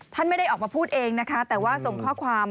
ท่านไม่ได้ออกมาพูดเองแต่ว่าส่งข้อความ